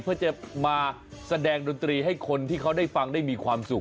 เพื่อจะมาแสดงดนตรีให้คนที่เขาได้ฟังได้มีความสุข